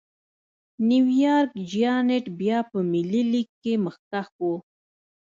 نیویارک جېانټ بیا په ملي لېګ کې مخکښ و.